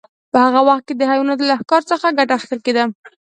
په هغه وخت کې د حیواناتو له ښکار څخه ګټه اخیستل کیده.